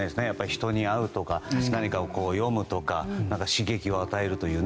人に会うとか何かを読むとか刺激を与えるという。